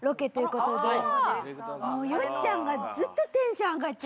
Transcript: もうよっちゃんがずっとテンション上がっちゃって。